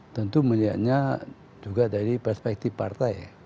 tentu melihatnya juga dari perspektif partai